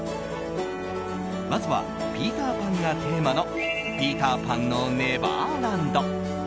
まずは「ピーター・パン」がテーマの「ピーターパンのネバーランド」。